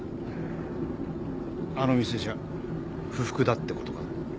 あの店じゃ不服だってことか？